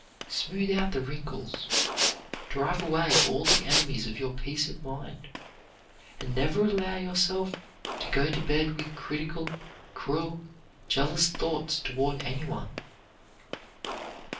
Smooth out the wrinkles; drive away all the enemies of your peace of mind, and never allow yourself to go to sleep with critical, cruel, jealous thoughts toward any one.